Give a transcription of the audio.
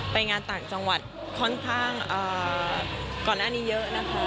ไปงานต่างจังหวัดค่อนข้างก่อนหน้านี้เยอะนะคะ